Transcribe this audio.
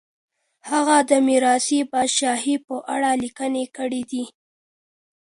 هغه د ميراثي پاچاهۍ په اړه ليکنې کړي دي.